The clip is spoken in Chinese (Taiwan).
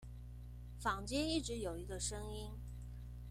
坊間一直有一個聲音